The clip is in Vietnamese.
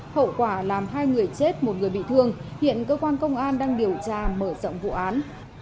hậu quả làm hai người chết một người bị thương hiện cơ quan công an đang điều tra mở rộng vụ án